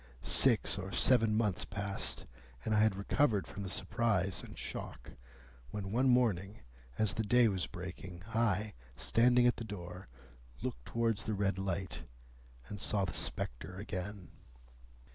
Six or seven months passed, and I had recovered from the surprise and shock, when one morning, as the day was breaking, I, standing at the door, looked towards the red light, and saw the spectre again."